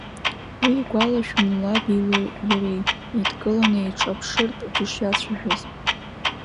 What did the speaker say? Уи игәалашәон лаби иареи еидкыланы еиҿаирԥшыртә дышиацәажәаз.